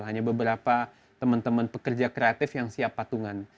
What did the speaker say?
hanya beberapa teman teman pekerja kreatif yang siap patungan